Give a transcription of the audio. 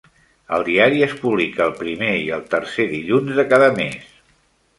El diari es publica el primer i el tercer dilluns de cada mes.